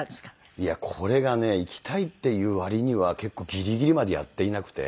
いやこれがね行きたいっていう割には結構ギリギリまでやっていなくて。